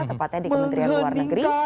tepatnya di kementerian luar negeri